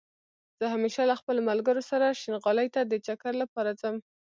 زه همېشه له خپلو ملګرو سره شينغالى ته دا چکر لپاره ځم